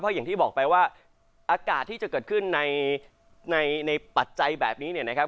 อย่างที่บอกไปว่าอากาศที่จะเกิดขึ้นในในปัจจัยแบบนี้เนี่ยนะครับ